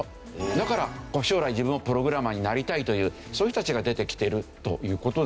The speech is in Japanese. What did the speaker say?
だから将来自分もプログラマーになりたいというそういう人たちが出てきてるという事だろうと思うんですね。